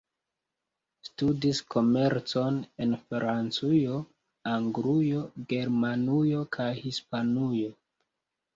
Studis komercon en Francujo, Anglujo, Germanujo kaj Hispanujo.